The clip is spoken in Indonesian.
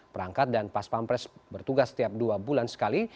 perangkat dan paspampres bertugas setiap dua bulan sekali